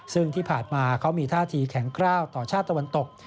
ซึ่งที่ผ่านมาเขามีท่าทีแข็งกล้าวต่อชาติตะวันตก